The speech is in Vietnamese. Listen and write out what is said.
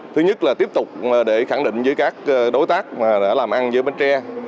thứ nhất là tiếp tục để khẳng định với các đối tác đã làm ăn với bến tre